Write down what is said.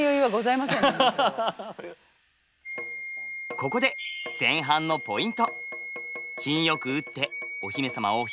ここで前半のポイント。